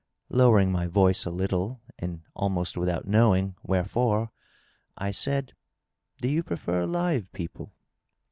Lowering my voice a little, and almost without knowing wherefore, I said, —" Do you prefer live people?"